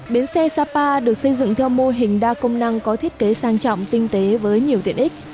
bến xe sapa được xây dựng theo mô hình đa công năng có thiết kế sang trọng tinh tế với nhiều tiện ích